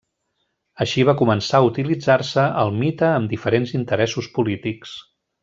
Així va començar a utilitzar-se el mite amb diferents interessos polítics.